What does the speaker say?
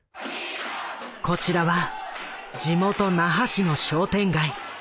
こちらは地元那覇市の商店街。